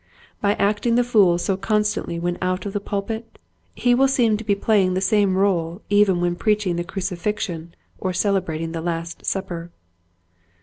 By acting the fool so constantly when out of the pulpit he will seem to be playing the same rdle even when preaching the crucifixion or cele brating the last supper.